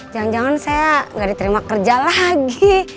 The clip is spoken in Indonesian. jangan jangan saya gak diterima kerja lagi